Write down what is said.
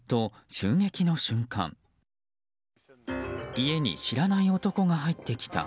家に知らない男が入ってきた。